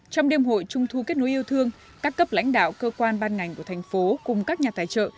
trong đêm hội trung thu kết nối yêu thương các cấp lãnh đạo cơ quan ban ngành của thành phố cùng các nhà tài trợ